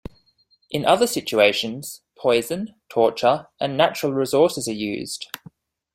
In other situations, poison, torture and natural resources are used.